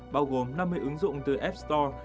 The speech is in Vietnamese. bao gồm năm mươi ứng dụng từ app store